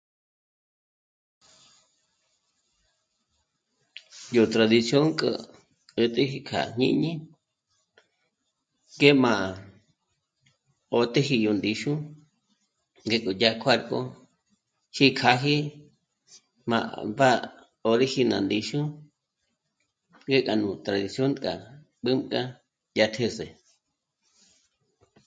Yó tradición k'a 'ä̀t'äji kja jñíñi k'e má ó téji yó ndíxu ngé k'o dyá kuàgo ch'íkjàji mā̀b'ā ò rí ji ná ndíxu ngé gá nú tradición k'a b'ünga dyá téze